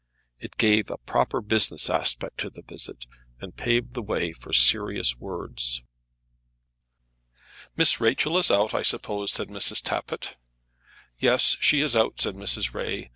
It gave a proper business aspect to the visit, and paved the way for serious words. "Miss Rachel is out, I suppose," said Mrs. Tappitt. "Yes, she is out," said Mrs. Ray.